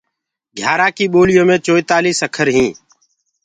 گھياٚرآن ڪي ٻوليو مي چوتآݪيٚس اکر هينٚ۔